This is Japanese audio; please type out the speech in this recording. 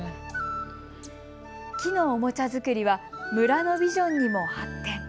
木のおもちゃ作りは村のビジョンにも発展。